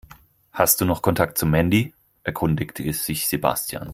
"Hast du noch Kontakt zu Mandy?", erkundigte sich Sebastian.